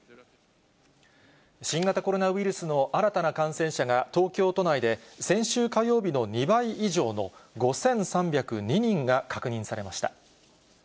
新型コロナウイルスの新たな感染者が、東京都内で先週火曜日の２倍以上の５３０２人が確認されました。